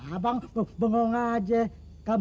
abang bengong aja